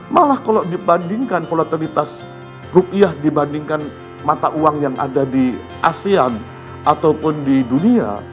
malah kalau dibandingkan volatilitas rupiah dibandingkan mata uang yang ada di asean ataupun di dunia